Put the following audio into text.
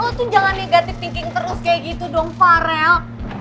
lo tuh jangan negatif thinking terus kayak gitu dong farel